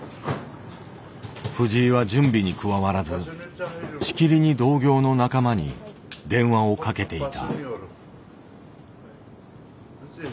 藤井は準備に加わらずしきりに同業の仲間に電話をかけていた。